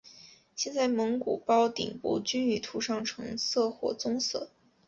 现在蒙古包顶部均已涂上橙色或棕色。